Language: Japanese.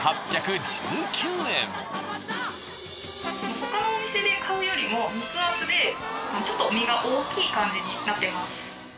他のお店で買うよりも肉厚でちょっと身が大きい感じになってます。